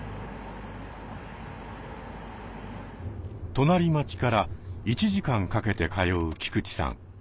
隣町から１時間かけて通う菊地さん。